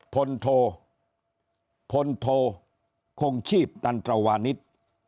พรโทพรโทศงชีพดันตระวานิษฐ์